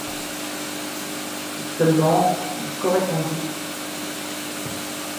Seulement, qu'aurait-on dit?